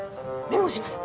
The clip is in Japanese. メモします。